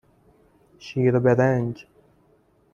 شیر برنج